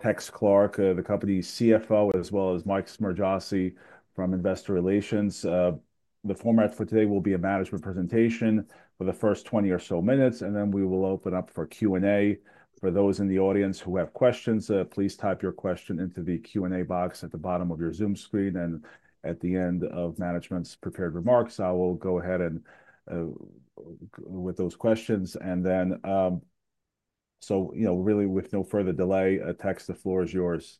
Tex Clark, the company's CFO, as well as Mike Smargiassi from Investor Relations. The format for today will be a management presentation for the first 20 or so minutes, and then we will open up for Q&A. For those in the audience who have questions, please type your question into the Q&A box at the bottom of your Zoom screen. At the end of management's prepared remarks, I will go ahead with those questions. Really, with no further delay, Tex, the floor is yours.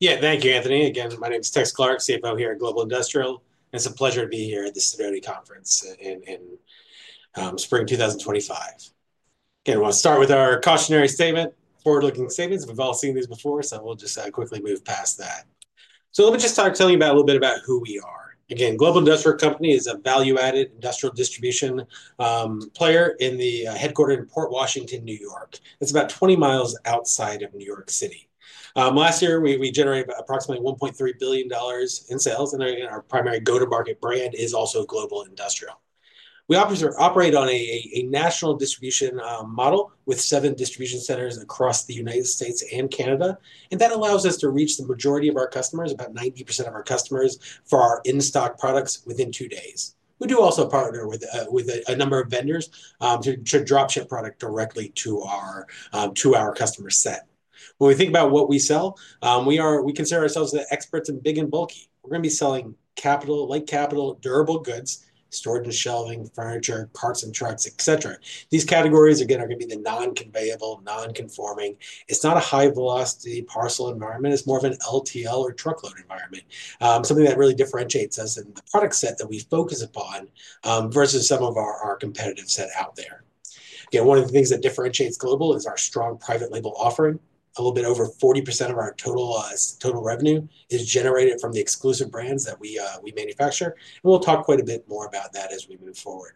Yeah, thank you, Anthony. Again, my name is Tex Clark, CFO here at Global Industrial. It's a pleasure to be here at the Sidoti Conference in Spring 2025. Again, we'll start with our cautionary statement, forward-looking statements. We've all seen these before, so we'll just quickly move past that. Let me just start telling you a little bit about who we are. Again, Global Industrial Company is a value-added industrial distribution player headquartered in Port Washington, New York. It's about 20 miles outside of New York City. Last year, we generated approximately $1.3 billion in sales, and our primary go-to-market brand is also Global Industrial. We operate on a national distribution model with seven distribution centers across the United States and Canada, and that allows us to reach the majority of our customers, about 90% of our customers, for our in-stock products within two days. We do also partner with a number of vendors to drop ship product directly to our customer set. When we think about what we sell, we consider ourselves the experts in big and bulky. We're going to be selling capital, light capital, durable goods, storage and shelving, furniture, parts and trucks, etc. These categories, again, are going to be the non-conveyable, non-conforming. It's not a high-velocity parcel environment. It's more of an LTL or truckload environment, something that really differentiates us in the product set that we focus upon versus some of our competitive set out there. One of the things that differentiates Global is our strong private label offering. A little bit over 40% of our total revenue is generated from the exclusive brands that we manufacture. We'll talk quite a bit more about that as we move forward.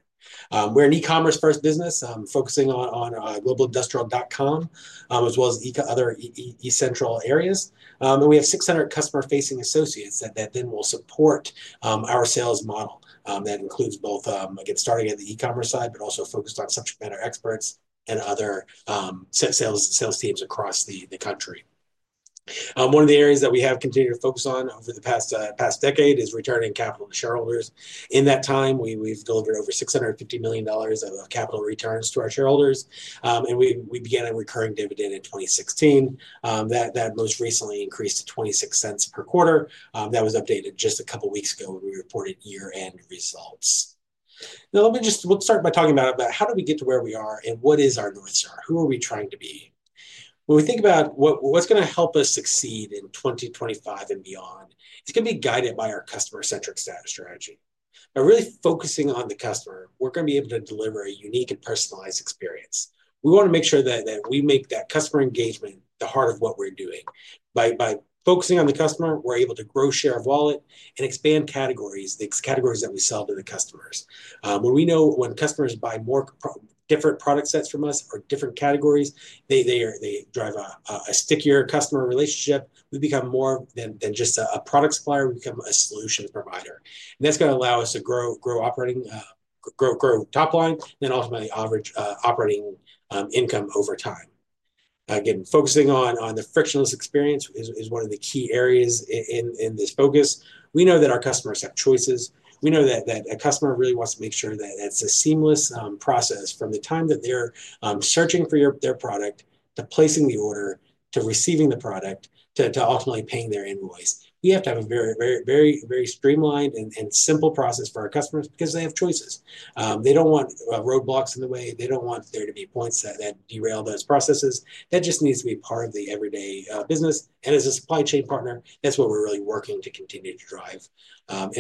We're an e-commerce-first business focusing on globalindustrial.com, as well as other e-central areas. We have 600 customer-facing associates that then will support our sales model. That includes both, again, starting at the e-commerce side, but also focused on subject matter experts and other sales teams across the country. One of the areas that we have continued to focus on over the past decade is returning capital to shareholders. In that time, we've delivered over $650 million of capital returns to our shareholders. We began a recurring dividend in 2016 that most recently increased to $0.26 per quarter. That was updated just a couple of weeks ago when we reported year-end results. Now, let me just start by talking about how did we get to where we are and what is our North Star? Who are we trying to be? When we think about what's going to help us succeed in 2025 and beyond, it's going to be guided by our customer-centric strategy. By really focusing on the customer, we're going to be able to deliver a unique and personalized experience. We want to make sure that we make that customer engagement the heart of what we're doing. By focusing on the customer, we're able to grow share of wallet and expand categories, the categories that we sell to the customers. When we know when customers buy more different product sets from us or different categories, they drive a stickier customer relationship. We become more than just a product supplier. We become a solution provider. That's going to allow us to grow top line and then ultimately operating income over time. Again, focusing on the frictionless experience is one of the key areas in this focus. We know that our customers have choices. We know that a customer really wants to make sure that it's a seamless process from the time that they're searching for their product to placing the order to receiving the product to ultimately paying their invoice. We have to have a very, very, very streamlined and simple process for our customers because they have choices. They don't want roadblocks in the way. They don't want there to be points that derail those processes. That just needs to be part of the everyday business. As a supply chain partner, that's what we're really working to continue to drive.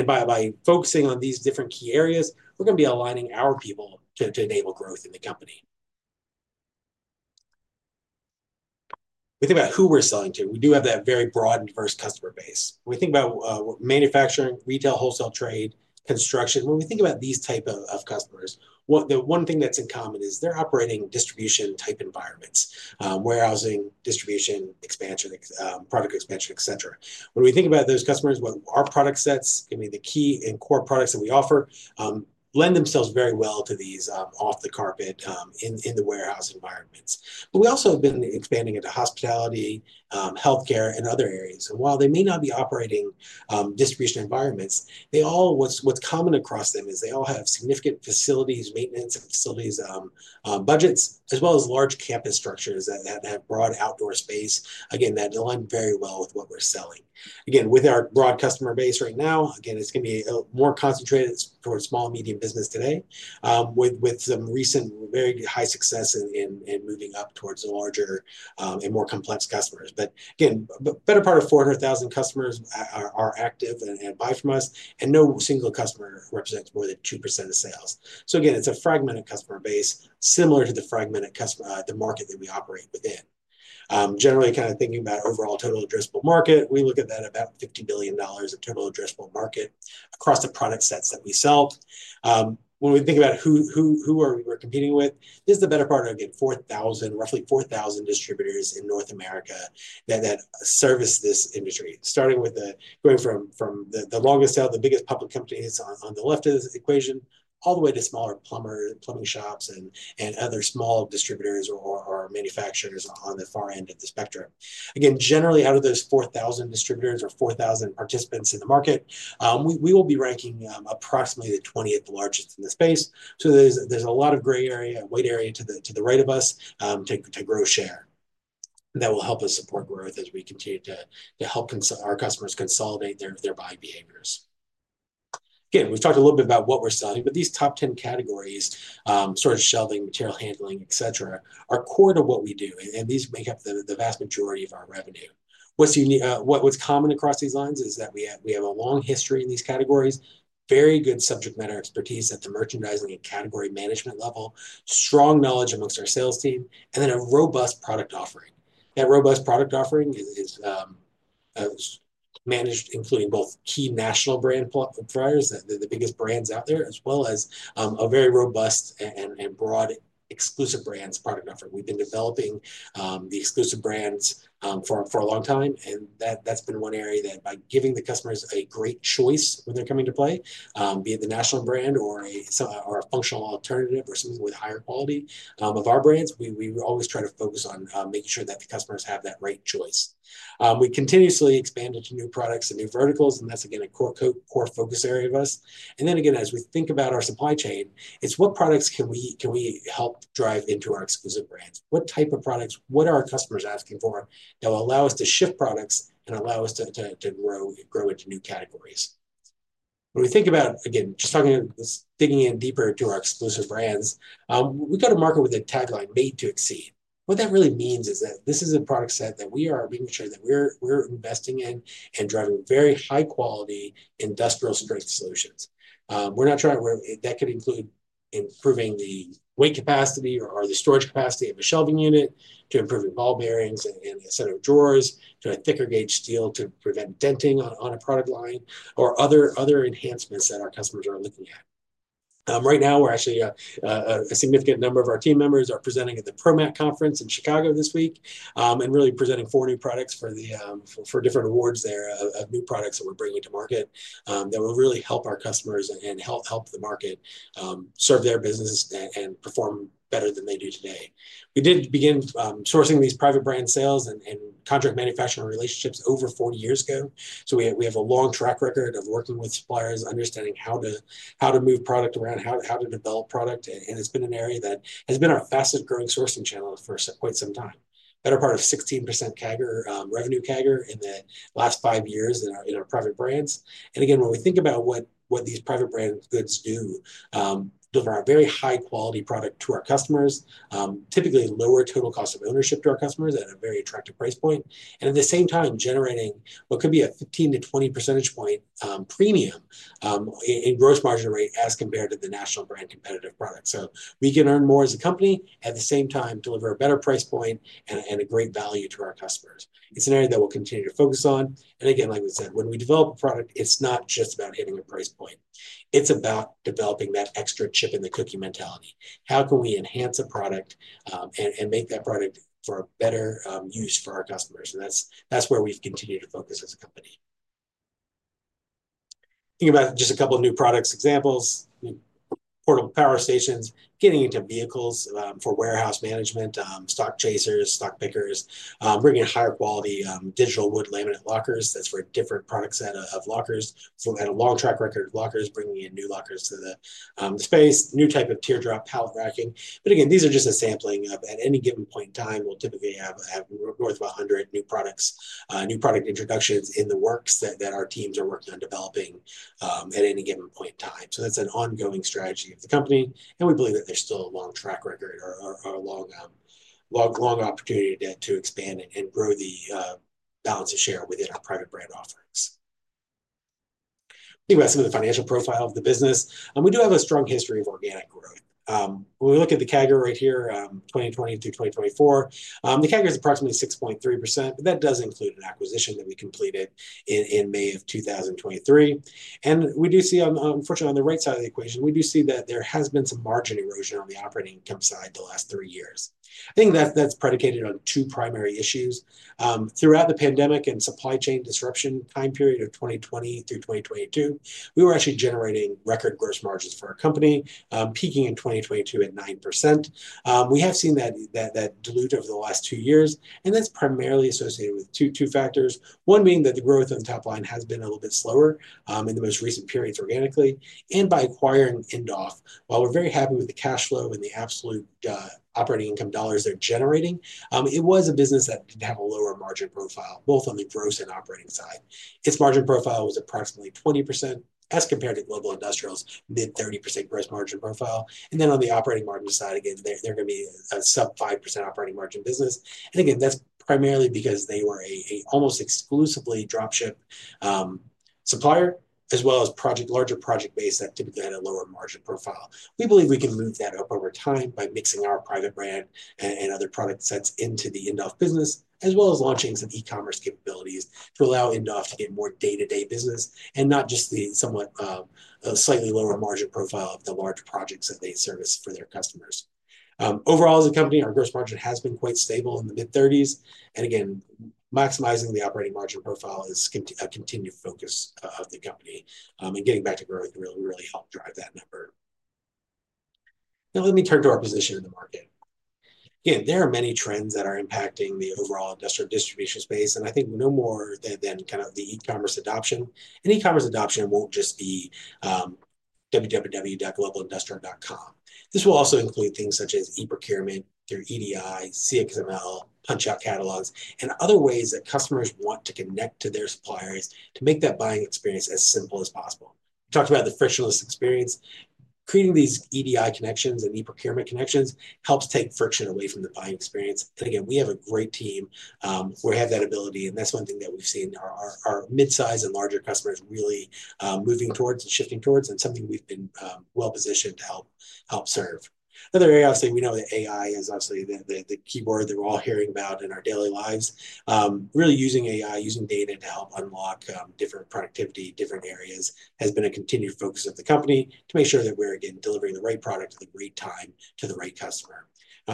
By focusing on these different key areas, we're going to be aligning our people to enable growth in the company. We think about who we're selling to. We do have that very broad and diverse customer base. When we think about manufacturing, retail, wholesale, trade, construction, when we think about these types of customers, the one thing that's in common is they're operating distribution-type environments, warehousing, distribution, expansion, product expansion, etc. When we think about those customers, what our product sets can be, the key and core products that we offer lend themselves very well to these off-the-carpet in the warehouse environments. We also have been expanding into hospitality, healthcare, and other areas. While they may not be operating distribution environments, what's common across them is they all have significant facilities, maintenance, and facilities budgets, as well as large campus structures that have broad outdoor space. Again, that aligns very well with what we're selling. Again, with our broad customer base right now, again, it's going to be more concentrated towards small, medium business today with some recent very high success in moving up towards the larger and more complex customers. Again, the better part of 400,000 customers are active and buy from us, and no single customer represents more than 2% of sales. Again, it's a fragmented customer base similar to the fragmented customer market that we operate within. Generally, kind of thinking about overall total addressable market, we look at that about $50 billion of total addressable market across the product sets that we sell. When we think about who we're competing with, this is the better part of, again, roughly 4,000 distributors in North America that service this industry, starting with going from the longest sale, the biggest public companies on the left of this equation, all the way to smaller plumbing shops and other small distributors or manufacturers on the far end of the spectrum. Again, generally, out of those 4,000 distributors or 4,000 participants in the market, we will be ranking approximately the 20th largest in the space. There is a lot of gray area, white area to the right of us to grow share that will help us support growth as we continue to help our customers consolidate their buying behaviors. Again, we've talked a little bit about what we're selling, but these top 10 categories, storage, shelving, material handling, etc., are core to what we do, and these make up the vast majority of our revenue. What's common across these lines is that we have a long history in these categories, very good subject matter expertise at the merchandising and category management level, strong knowledge amongst our sales team, and then a robust product offering. That robust product offering is managed, including both key national brand providers, the biggest brands out there, as well as a very robust and broad exclusive brands product offering. We've been developing the exclusive brands for a long time, and that's been one area that by giving the customers a great choice when they're coming to play, be it the national brand or a functional alternative or something with higher quality of our brands, we always try to focus on making sure that the customers have that right choice. We continuously expand into new products and new verticals, and that's, again, a core focus area of us. As we think about our supply chain, it's what products can we help drive into our exclusive brands? What type of products? What are our customers asking for that will allow us to shift products and allow us to grow into new categories? When we think about, again, just digging in deeper into our exclusive brands, we go to market with a tagline made to exceed. What that really means is that this is a product set that we are making sure that we're investing in and driving very high-quality industrial-strength solutions. That could include improving the weight capacity or the storage capacity of a shelving unit to improving ball bearings in a set of drawers to a thicker gauge steel to prevent denting on a product line or other enhancements that our customers are looking at. Right now, actually a significant number of our team members are presenting at the ProMat Conference in Chicago this week and really presenting four new products for different awards there of new products that we're bringing to market that will really help our customers and help the market serve their business and perform better than they do today. We did begin sourcing these private brand sales and contract manufacturing relationships over 40 years ago. We have a long track record of working with suppliers, understanding how to move product around, how to develop product. It has been an area that has been our fastest growing sourcing channel for quite some time, better part of 16% revenue CAGR in the last five years in our private brands. Again, when we think about what these private brand goods do, delivering a very high-quality product to our customers, typically lower total cost of ownership to our customers at a very attractive price point, and at the same time generating what could be a 15-20 percentage point premium in gross margin rate as compared to the national brand competitive product. We can earn more as a company, at the same time deliver a better price point and a great value to our customers. It is an area that we will continue to focus on. Like we said, when we develop a product, it's not just about hitting a price point. It's about developing that extra chip in the cookie mentality. How can we enhance a product and make that product for a better use for our customers? That's where we've continued to focus as a company. Thinking about just a couple of new product examples, portable power stations, getting into vehicles for warehouse management, stock chasers, stock pickers, bringing higher quality digital wood laminate lockers. That's for a different product set of lockers. We had a long track record of lockers, bringing in new lockers to the space, new type of teardrop pallet racking. These are just a sampling of, at any given point in time, we'll typically have north of 100 new products, new product introductions in the works that our teams are working on developing at any given point in time. That is an ongoing strategy of the company. We believe that there's still a long track record or a long opportunity to expand and grow the balance of share within our private brand offerings. Thinking about some of the financial profile of the business, we do have a strong history of organic growth. When we look at the CAGR right here, 2020 through 2024, the CAGR is approximately 6.3%, but that does include an acquisition that we completed in May of 2023. We do see, unfortunately, on the right side of the equation, we do see that there has been some margin erosion on the operating income side the last three years. I think that's predicated on two primary issues. Throughout the pandemic and supply chain disruption time period of 2020 through 2022, we were actually generating record gross margins for our company, peaking in 2022 at 9%. We have seen that dilute over the last two years, and that's primarily associated with two factors. One being that the growth on the top line has been a little bit slower in the most recent periods organically. By acquiring Indoff, while we're very happy with the cash flow and the absolute operating income dollars they're generating, it was a business that did have a lower margin profile, both on the gross and operating side. Its margin profile was approximately 20% as compared to Global Industrial's mid-30% gross margin profile. On the operating margin side, again, they're going to be a sub-5% operating margin business. That's primarily because they were an almost exclusively dropship supplier, as well as larger project-based that typically had a lower margin profile. We believe we can move that up over time by mixing our private brand and other product sets into the Indoff business, as well as launching some e-commerce capabilities to allow Indoff to get more day-to-day business and not just the somewhat slightly lower margin profile of the large projects that they service for their customers. Overall, as a company, our gross margin has been quite stable in the mid-30%. Maximizing the operating margin profile is a continued focus of the company. Getting back to growth will really help drive that number. Let me turn to our position in the market. There are many trends that are impacting the overall industrial distribution space. I think no more than kind of the e-commerce adoption. E-commerce adoption will not just be www.globalindustrial.com. This will also include things such as e-procurement through EDI, cXML, punch-out catalogs, and other ways that customers want to connect to their suppliers to make that buying experience as simple as possible. We talked about the frictionless experience. Creating these EDI connections and e-procurement connections helps take friction away from the buying experience. We have a great team. We have that ability. That is one thing that we have seen our mid-size and larger customers really moving towards and shifting towards and something we have been well-positioned to help serve. Another area, obviously, we know that AI is obviously the key word that we're all hearing about in our daily lives. Really using AI, using data to help unlock different productivity, different areas has been a continued focus of the company to make sure that we're, again, delivering the right product at the right time to the right customer.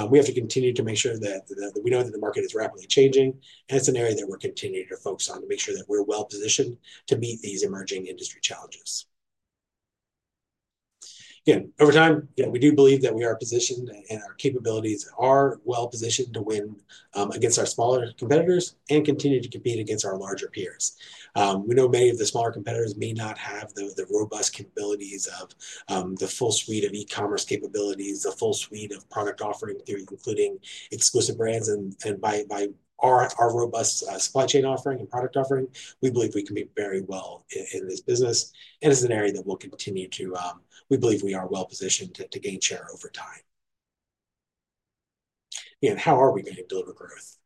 We have to continue to make sure that we know that the market is rapidly changing. It is an area that we're continuing to focus on to make sure that we're well-positioned to meet these emerging industry challenges. Again, over time, we do believe that we are positioned and our capabilities are well-positioned to win against our smaller competitors and continue to compete against our larger peers. We know many of the smaller competitors may not have the robust capabilities of the full suite of e-commerce capabilities, the full suite of product offering through including exclusive brands. By our robust supply chain offering and product offering, we believe we can be very well in this business. It is an area that we will continue to, we believe we are well-positioned to gain share over time. Again, how are we going to deliver growth?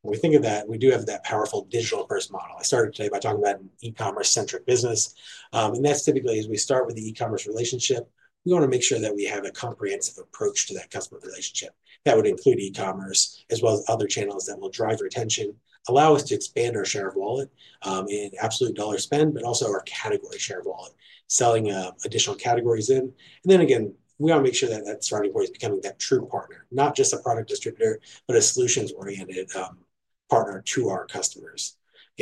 When we think of that, we do have that powerful digital-first model. I started today by talking about an e-commerce-centric business. That is typically as we start with the e-commerce relationship, we want to make sure that we have a comprehensive approach to that customer relationship. That would include e-commerce as well as other channels that will drive retention, allow us to expand our share of wallet in absolute dollar spend, but also our category share of wallet, selling additional categories in. We want to make sure that that starting point is becoming that true partner, not just a product distributor, but a solutions-oriented partner to our customers.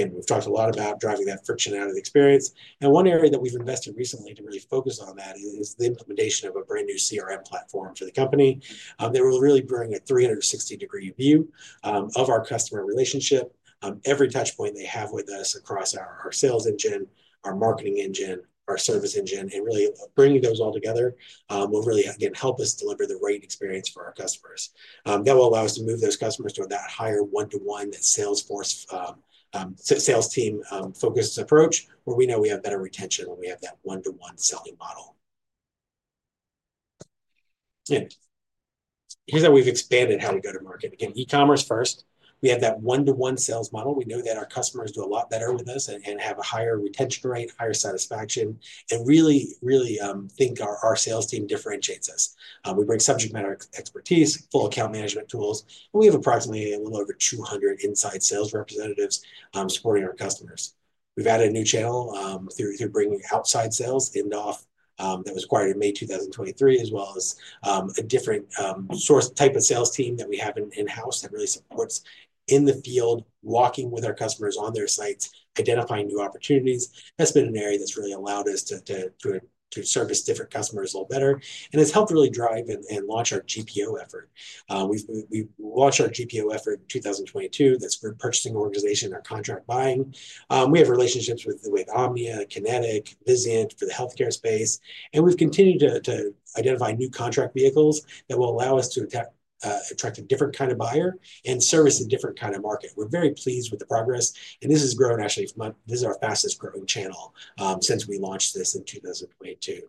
We have talked a lot about driving that friction out of the experience. One area that we have invested recently to really focus on that is the implementation of a brand new CRM platform for the company that will really bring a 360-degree view of our customer relationship. Every touchpoint they have with us across our sales engine, our marketing engine, our service engine, and really bringing those all together will really, again, help us deliver the right experience for our customers. That will allow us to move those customers to that higher one-to-one, that Salesforce sales team-focused approach where we know we have better retention when we have that one-to-one selling model. Here's how we've expanded how we go to market. Again, e-commerce first. We have that one-to-one sales model. We know that our customers do a lot better with us and have a higher retention rate, higher satisfaction, and really, really think our sales team differentiates us. We bring subject matter expertise, full account management tools, and we have approximately a little over 200 inside sales representatives supporting our customers. We've added a new channel through bringing outside sales Indoff that was acquired in May 2023, as well as a different type of sales team that we have in-house that really supports in the field, walking with our customers on their sites, identifying new opportunities. That's been an area that's really allowed us to service different customers a little better. It's helped really drive and launch our GPO effort. We launched our GPO effort in 2022. That's for purchasing organization, our contract buying. We have relationships with Omnia, Kinetic, Vizient for the healthcare space. We've continued to identify new contract vehicles that will allow us to attract a different kind of buyer and service a different kind of market. We're very pleased with the progress. This has grown actually, this is our fastest growing channel since we launched this in 2022.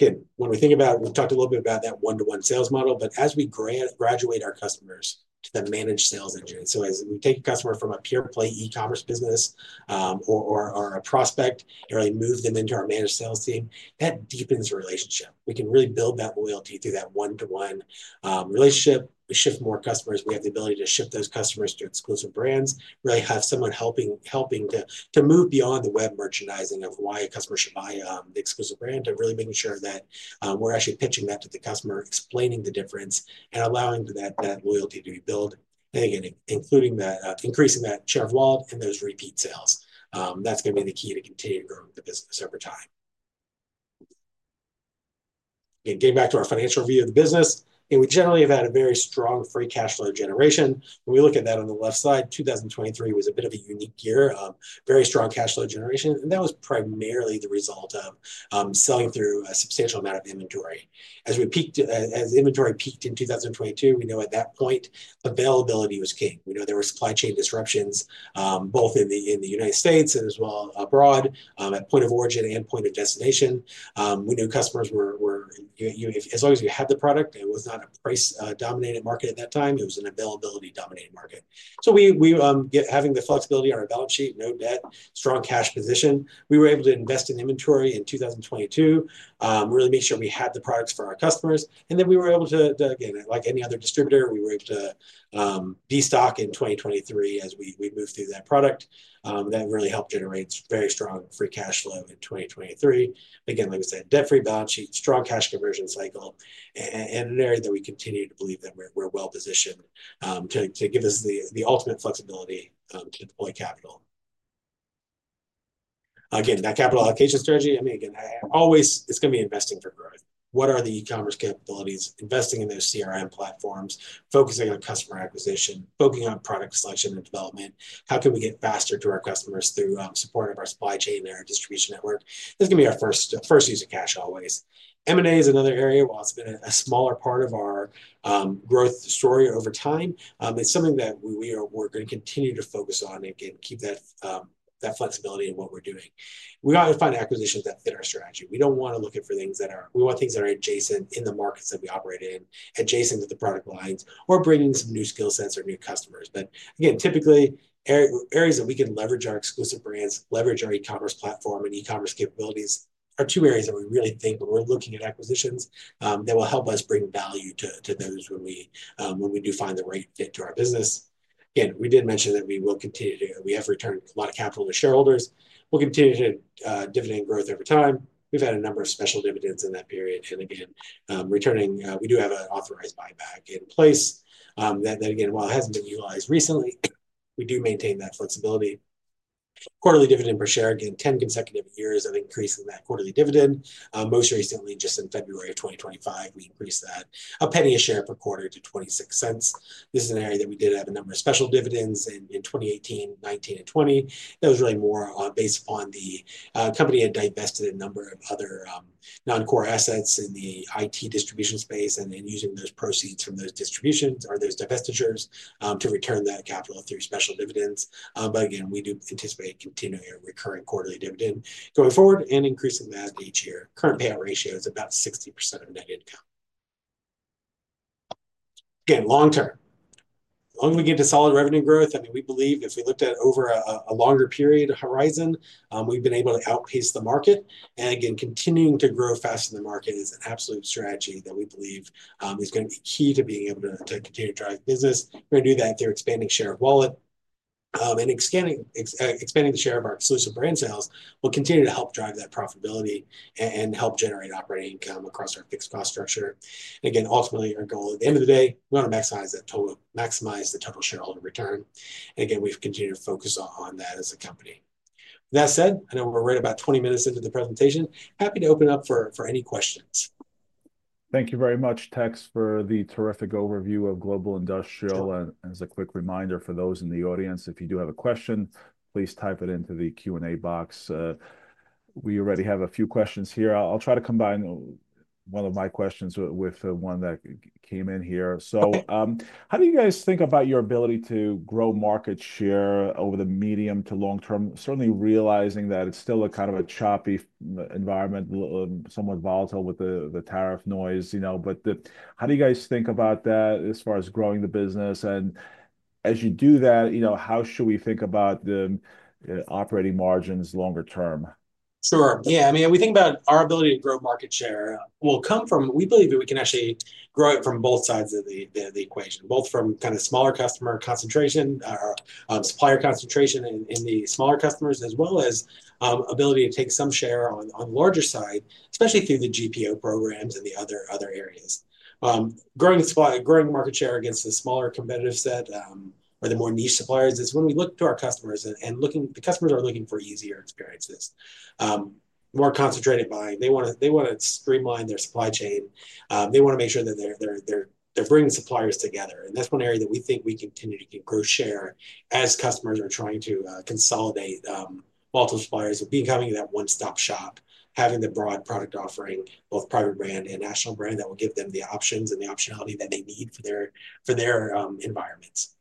Again, when we think about, we've talked a little bit about that one-to-one sales model, but as we graduate our customers to the managed sales engine. As we take a customer from a pure play e-commerce business or a prospect and really move them into our managed sales team, that deepens the relationship. We can really build that loyalty through that one-to-one relationship. We shift more customers. We have the ability to shift those customers to exclusive brands, really have someone helping to move beyond the web merchandising of why a customer should buy the exclusive brand to really making sure that we're actually pitching that to the customer, explaining the difference and allowing for that loyalty to be built. Again, increasing that share of wallet in those repeat sales. That's going to be the key to continue to grow the business over time. Again, getting back to our financial view of the business, we generally have had a very strong free cash flow generation. When we look at that on the left side, 2023 was a bit of a unique year, very strong cash flow generation. That was primarily the result of selling through a substantial amount of inventory. As inventory peaked in 2022, we know at that point, availability was king. We know there were supply chain disruptions, both in the U.S. as well as abroad, at point of origin and point of destination. We knew customers were, as long as you had the product, it was not a price-dominated market at that time. It was an availability-dominated market. Having the flexibility, our balance sheet, no debt, strong cash position, we were able to invest in inventory in 2022, really make sure we had the products for our customers. We were able to, again, like any other distributor, destock in 2023 as we moved through that product. That really helped generate very strong free cash flow in 2023. Again, like I said, debt-free balance sheet, strong cash conversion cycle, and an area that we continue to believe that we're well-positioned to give us the ultimate flexibility to deploy capital. Again, that capital allocation strategy, I mean, again, always it's going to be investing for growth. What are the e-commerce capabilities? Investing in those CRM platforms, focusing on customer acquisition, focusing on product selection and development. How can we get faster to our customers through support of our supply chain and our distribution network? That's going to be our first use of cash always. M&A is another area. While it's been a smaller part of our growth story over time, it's something that we're going to continue to focus on and keep that flexibility in what we're doing. We often find acquisitions that fit our strategy. We don't want to look for things that are—we want things that are adjacent in the markets that we operate in, adjacent to the product lines, or bringing some new skill sets or new customers. Again, typically, areas that we can leverage our exclusive brands, leverage our e-commerce platform and e-commerce capabilities are two areas that we really think when we're looking at acquisitions that will help us bring value to those when we do find the right fit to our business. Again, we did mention that we will continue to—we have returned a lot of capital to shareholders. We'll continue to dividend growth over time. We've had a number of special dividends in that period. Again, returning, we do have an authorized buyback in place that, again, while it hasn't been utilized recently, we do maintain that flexibility. Quarterly dividend per share, again, 10 consecutive years of increase in that quarterly dividend. Most recently, just in February of 2025, we increased that a penny a share per quarter to $0.26. This is an area that we did have a number of special dividends in 2018, 2019, and 2020. That was really more based upon the company had divested a number of other non-core assets in the IT distribution space and using those proceeds from those distributions or those divestitures to return that capital through special dividends. Again, we do anticipate continuing a recurring quarterly dividend going forward and increasing that each year. Current payout ratio is about 60% of net income. Again, long term, when we get to solid revenue growth, I mean, we believe if we looked at over a longer period horizon, we've been able to outpace the market. Again, continuing to grow fast in the market is an absolute strategy that we believe is going to be key to being able to continue to drive business. We're going to do that through expanding share of wallet. Expanding the share of our exclusive brand sales will continue to help drive that profitability and help generate operating income across our fixed cost structure. Ultimately, our goal at the end of the day, we want to maximize the total shareholder return. Again, we've continued to focus on that as a company. With that said, I know we're right about 20 minutes into the presentation. Happy to open up for any questions. Thank you very much, Tex, for the terrific overview of Global Industrial. As a quick reminder for those in the audience, if you do have a question, please type it into the Q&A box. We already have a few questions here. I'll try to combine one of my questions with one that came in here. How do you guys think about your ability to grow market share over the medium to long term? Certainly realizing that it's still a kind of a choppy environment, somewhat volatile with the tariff noise. How do you guys think about that as far as growing the business? As you do that, how should we think about the operating margins longer term? Sure. Yeah. I mean, we think about our ability to grow market share will come from, we believe that we can actually grow it from both sides of the equation, both from kind of smaller customer concentration, supplier concentration in the smaller customers, as well as ability to take some share on the larger side, especially through the GPO programs and the other areas. Growing market share against the smaller competitive set or the more niche suppliers is when we look to our customers and the customers are looking for easier experiences, more concentrated buying. They want to streamline their supply chain. They want to make sure that they're bringing suppliers together. That's one area that we think we continue to grow share as customers are trying to consolidate multiple suppliers, becoming that one-stop shop, having the broad product offering, both private brand and national brand, that will give them the options and the optionality that they need for their environments.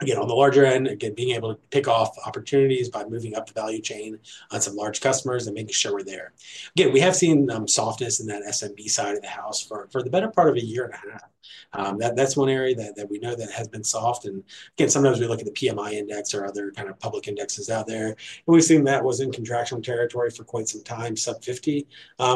Again, on the larger end, again, being able to pick off opportunities by moving up the value chain on some large customers and making sure we're there. Again, we have seen softness in that SMB side of the house for the better part of a year and a half. That's one area that we know that has been soft. Sometimes we look at the PMI index or other kind of public indexes out there. We've seen that was in contraction territory for quite some time, sub-50.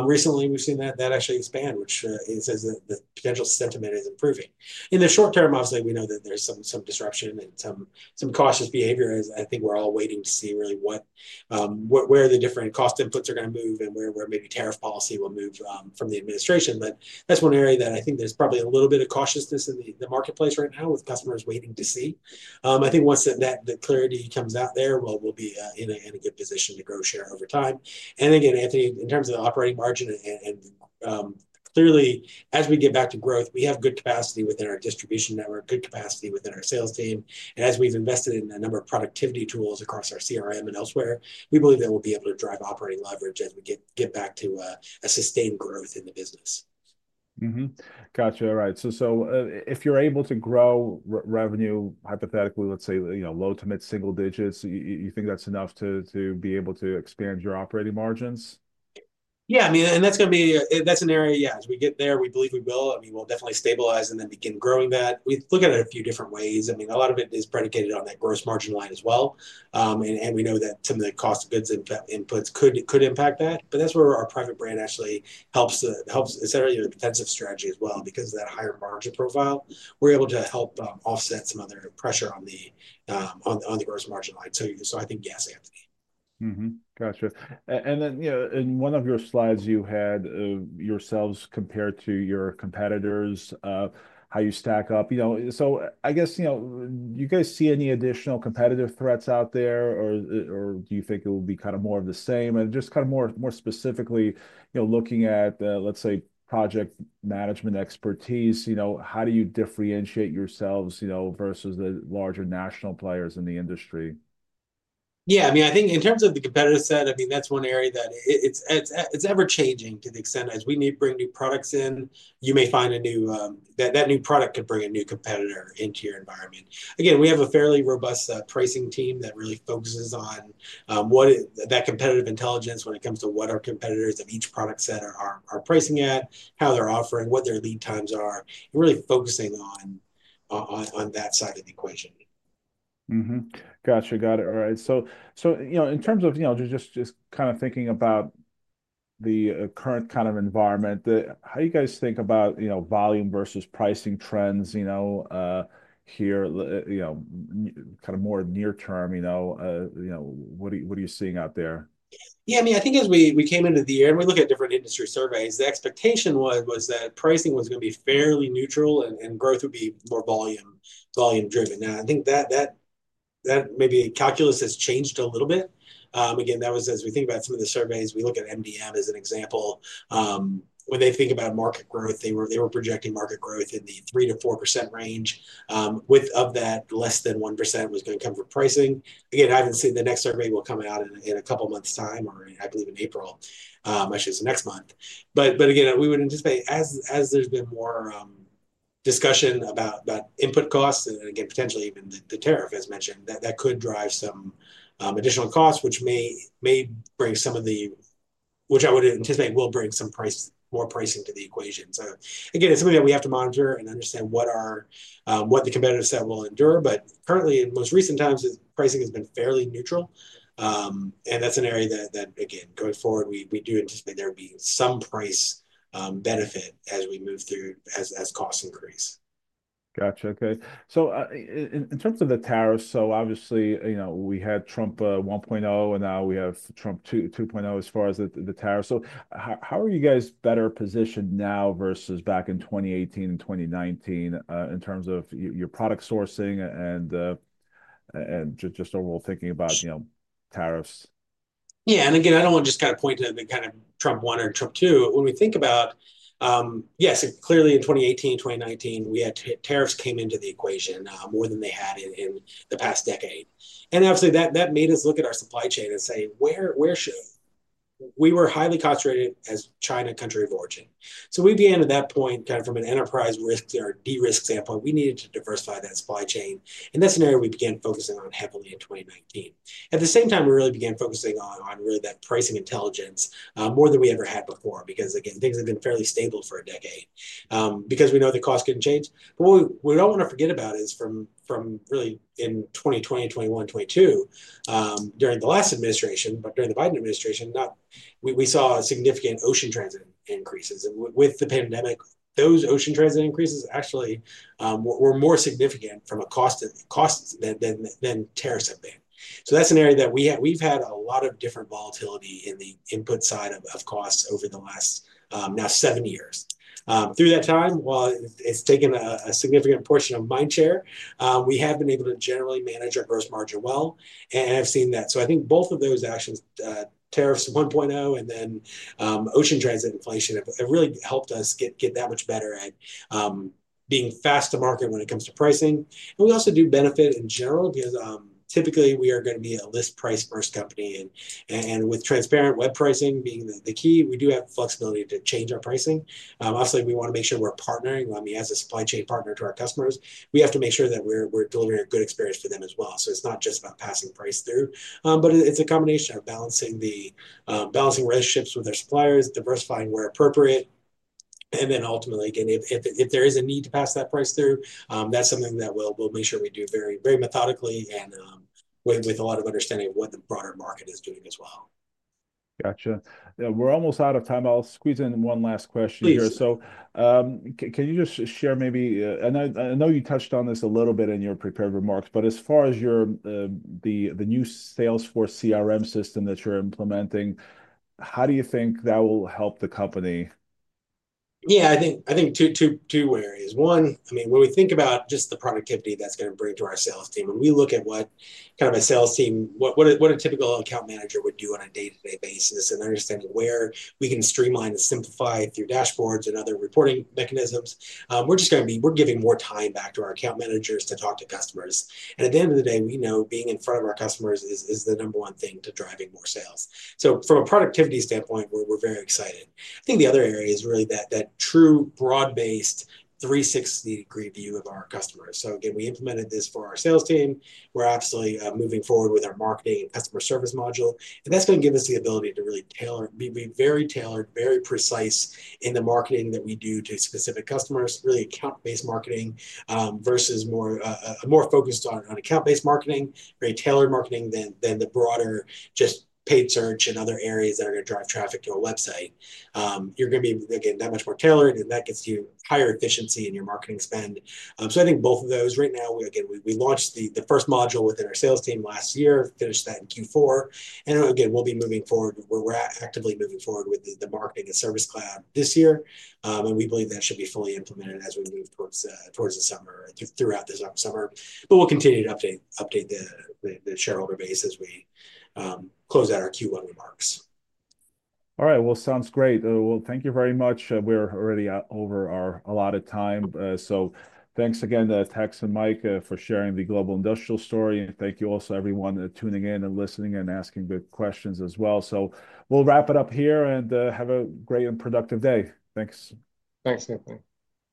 Recently, we've seen that actually expand, which says the potential sentiment is improving. In the short term, obviously, we know that there's some disruption and some cautious behavior. I think we're all waiting to see really where the different cost inputs are going to move and where maybe tariff policy will move from the administration. That is one area that I think there's probably a little bit of cautiousness in the marketplace right now with customers waiting to see. I think once the clarity comes out there, we'll be in a good position to grow share over time. Again, Anthony, in terms of the operating margin, and clearly, as we get back to growth, we have good capacity within our distribution network, good capacity within our sales team. As we have invested in a number of productivity tools across our CRM and elsewhere, we believe that we will be able to drive operating leverage as we get back to a sustained growth in the business. Gotcha. All right. If you are able to grow revenue, hypothetically, let's say low to mid single digits, you think that is enough to be able to expand your operating margins? Yeah. I mean, and that is going to be, that is an area, yeah. As we get there, we believe we will. I mean, we will definitely stabilize and then begin growing that. We look at it a few different ways. I mean, a lot of it is predicated on that gross margin line as well. We know that some of the cost of goods inputs could impact that. That's where our private brand actually helps, etc., your defensive strategy as well because of that higher margin profile. We're able to help offset some other pressure on the gross margin line. I think, yes, Anthony. Gotcha. In one of your slides, you had yourselves compared to your competitors, how you stack up. Do you guys see any additional competitive threats out there, or do you think it will be kind of more of the same? Just kind of more specifically, looking at, let's say, project management expertise, how do you differentiate yourselves versus the larger national players in the industry? Yeah. I mean, I think in terms of the competitive side, I mean, that's one area that it's ever-changing to the extent as we need to bring new products in, you may find that new product could bring a new competitor into your environment. Again, we have a fairly robust pricing team that really focuses on that competitive intelligence when it comes to what our competitors of each product set are pricing at, how they're offering, what their lead times are, and really focusing on that side of the equation. Gotcha. Got it. All right. In terms of just kind of thinking about the current kind of environment, how do you guys think about volume versus pricing trends here? Kind of more near term, what are you seeing out there? Yeah. I mean, I think as we came into the year and we look at different industry surveys, the expectation was that pricing was going to be fairly neutral and growth would be more volume-driven. Now, I think that maybe calculus has changed a little bit. Again, that was as we think about some of the surveys, we look at MDM as an example. When they think about market growth, they were projecting market growth in the 3-4% range. With of that, less than 1% was going to come from pricing. Again, I haven't seen the next survey will come out in a couple of months' time, or I believe in April, actually the next month. But again, we would anticipate as there's been more discussion about input costs and again, potentially even the tariff, as mentioned, that could drive some additional costs, which may bring some of the, which I would anticipate will bring some more pricing to the equation. It is something that we have to monitor and understand what the competitive set will endure. Currently, in most recent times, pricing has been fairly neutral. That is an area that, again, going forward, we do anticipate there will be some price benefit as we move through as costs increase. Gotcha. Okay. In terms of the tariffs, obviously, we had Trump 1.0, and now we have Trump 2.0 as far as the tariffs. How are you guys better positioned now versus back in 2018 and 2019 in terms of your product sourcing and just overall thinking about tariffs? Yeah. I do not want to just kind of point to the kind of Trump 1 or Trump 2. When we think about, yes, clearly in 2018, 2019, tariffs came into the equation more than they had in the past decade. Obviously, that made us look at our supply chain and say, "Where should we?" We were highly concentrated as China country of origin. We began at that point kind of from an enterprise risk or de-risk standpoint. We needed to diversify that supply chain. In that scenario, we began focusing on heavily in 2019. At the same time, we really began focusing on really that pricing intelligence more than we ever had before because, again, things have been fairly stable for a decade because we know the cost can change. What we do not want to forget about is from really in 2020, 2021, 2022, during the last administration, but during the Biden administration, we saw significant ocean transit increases. With the pandemic, those ocean transit increases actually were more significant from a cost than tariffs have been. That is an area that we have had a lot of different volatility in the input side of costs over the last now seven years. Through that time, while it has taken a significant portion of mind share, we have been able to generally manage our gross margin well. I have seen that. I think both of those actions, tariffs 1.0 and then ocean transit inflation, have really helped us get that much better at being fast to market when it comes to pricing. We also do benefit in general because typically we are going to be a list price-first company. With transparent web pricing being the key, we do have flexibility to change our pricing. Obviously, we want to make sure we're partnering. I mean, as a supply chain partner to our customers, we have to make sure that we're delivering a good experience for them as well. It's not just about passing price through, but it's a combination of balancing relationships with our suppliers, diversifying where appropriate. Ultimately, again, if there is a need to pass that price through, that's something that we'll make sure we do very methodically and with a lot of understanding of what the broader market is doing as well. Gotcha. We're almost out of time. I'll squeeze in one last question here. Can you just share maybe, I know you touched on this a little bit in your prepared remarks, but as far as the new Salesforce CRM system that you're implementing, how do you think that will help the company? Yeah. I think two areas. One, I mean, when we think about just the productivity that's going to bring to our sales team, when we look at what kind of a sales team, what a typical account manager would do on a day-to-day basis and understanding where we can streamline and simplify through dashboards and other reporting mechanisms, we're just going to be, we're giving more time back to our account managers to talk to customers. At the end of the day, we know being in front of our customers is the number one thing to driving more sales. From a productivity standpoint, we're very excited. I think the other area is really that true broad-based 360-degree view of our customers. Again, we implemented this for our sales team. We're absolutely moving forward with our marketing and customer service module. That's going to give us the ability to really be very tailored, very precise in the marketing that we do to specific customers, really account-based marketing versus more focused on account-based marketing, very tailored marketing than the broader just paid search and other areas that are going to drive traffic to a website. You're going to be, again, that much more tailored, and that gets you higher efficiency in your marketing spend. I think both of those right now, again, we launched the first module within our sales team last year, finished that in Q4. Again, we'll be moving forward. We're actively moving forward with the marketing and service cloud this year. We believe that should be fully implemented as we move towards the summer or throughout the summer. We will continue to update the shareholder base as we close out our Q1 remarks. All right. Sounds great. Thank you very much. We are already over our allotted time. Thanks again to Tex and Mike for sharing the Global Industrial story. Thank you also everyone tuning in and listening and asking good questions as well. We will wrap it up here and have a great and productive day. Thanks. Thanks, Anthony.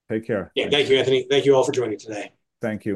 Take care. Yeah. Thank you, Anthony. Thank you all for joining today. Thank you.